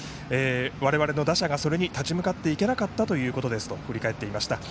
我々の打者がそれに立ち向かっていけなかったということですと振り返っていました。